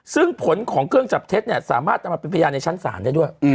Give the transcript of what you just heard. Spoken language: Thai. ซึ่งผลของเครื่องจับเท็จเนี่ยสามารถนำมาเป็นพยานในชั้นศาลได้ด้วย